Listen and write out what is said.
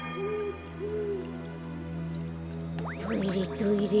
トイレトイレ